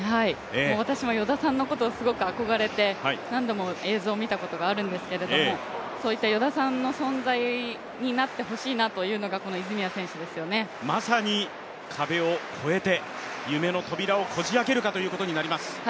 私も依田さんのことを憧れて、何度も映像を見たことがあるんですけど、そういった依田さんの存在になってほしいなというのがまさに壁を超えて夢の扉をこじあけるということになります。